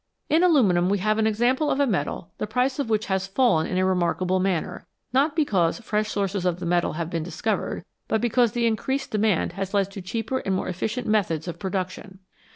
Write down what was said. In aluminium we have an example of a metal the price of which has fallen in a remarkable manner, not because fresh sources of the metal have been discovered, but because the increased demand has led to cheaper and more efficient methods of production.